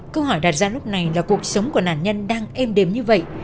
câu hỏi đặt ra lúc này là cuộc sống của nạn nhân đang êm đềm như vậy